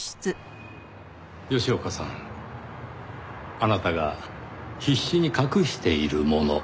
あなたが必死に隠しているもの。